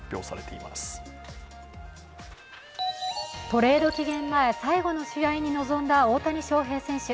トレード期限前、最後の試合に臨んだ大谷翔平選手。